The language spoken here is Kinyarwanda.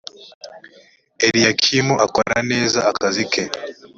eliyakimu akora neza akazike.